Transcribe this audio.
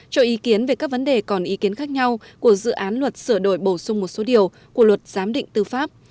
cho ý kiến về các vấn đề còn ý kiến khác nhau của dự án luật sửa đổi bổ sung một số điều của luật giám định tư pháp